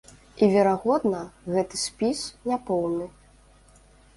І, верагодна, гэты спіс няпоўны.